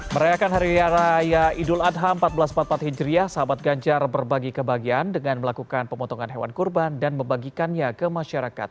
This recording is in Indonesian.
merayakan hari raya idul adha seribu empat ratus empat puluh empat hijriah sahabat ganjar berbagi kebahagiaan dengan melakukan pemotongan hewan kurban dan membagikannya ke masyarakat